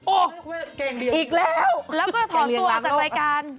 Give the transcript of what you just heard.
โอ้โหอีกแล้วแล้วก็ถอนตัวออกจากรายการ